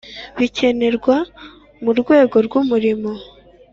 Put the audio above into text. Bikenerwa mu rwego rw’umurimo